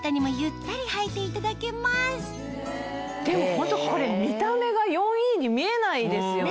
ホントこれ見た目が４Ｅに見えないですよね。